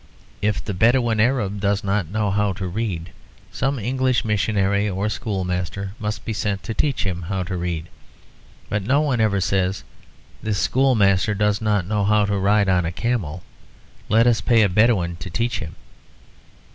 If the Bedouin Arab does not know how to read, some English missionary or schoolmaster must be sent to teach him to read, but no one ever says, 'This schoolmaster does not know how to ride on a camel; let us pay a Bedouin to teach him.'